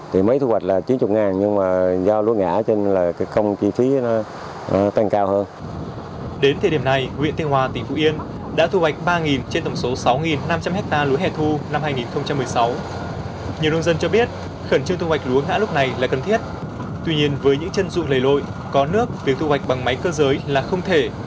thì mới thu hoạch là chín mươi ngàn nhưng mà do lúa ngã cho nên là cái công chi phí nó tăng cao hơn